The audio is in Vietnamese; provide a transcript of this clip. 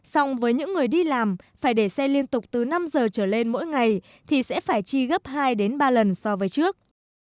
xong với những người đi làm phải để xe liên tục từ năm giờ trở lên mỗi ngày thì sẽ phải chi gấp hai đến ba lần so với trước